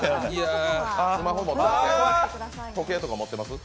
スマホとか時計とか持ってます？